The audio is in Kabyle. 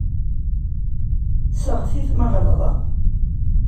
Seɣtit ma ɣelḍeɣ.